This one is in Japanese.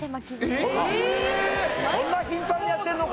そんな頻繁にやってるのか？